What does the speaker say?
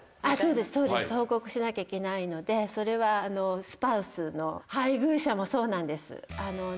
そうですそうです報告しなきゃいけないのでそれはＳｐｏｕｓｅの配偶者もそうなんです。